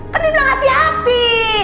kan udah bilang hati hati